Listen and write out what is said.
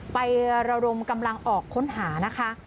ไประดมกำลังออกค้นหานะคะ